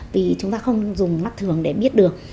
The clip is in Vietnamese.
vì chúng ta không dùng mắt thường để biết được